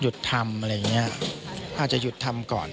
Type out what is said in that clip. ทำอะไรอย่างนี้อาจจะหยุดทำก่อน